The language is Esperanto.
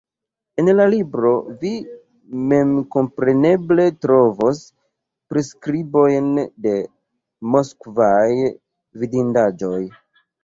En la libro vi memkompreneble trovos priskribojn de moskvaj vidindaĵoj.